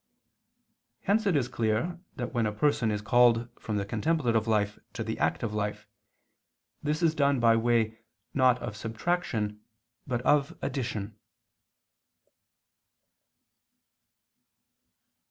Hence it is clear that when a person is called from the contemplative life to the active life, this is done by way not of subtraction but of addition.